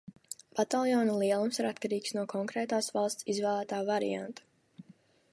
Bataljona lielums ir atkarīgs no konkrētās valsts izvēlētā varianta.